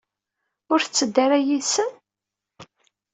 Ur tetteddu ara yid-sen?